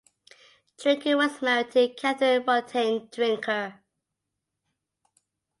Drinker was married to Katherine Rotan Drinker.